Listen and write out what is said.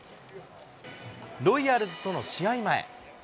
ロイヤルズとの試合前。